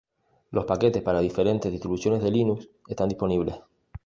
Los paquetes para diferentes distribuciones de Linux están disponibles.